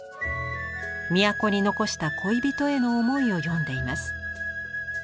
都に残した恋人への思いを詠んでいます。